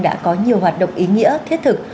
đã có nhiều hoạt động ý nghĩa thiết thực